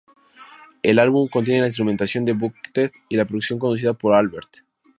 El álbum contiene la instrumentación de Buckethead y la percusión conducida por Albert.